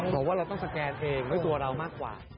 ผมว่าเราต้องสแกนเพลงด้วยตัวเรามากกว่า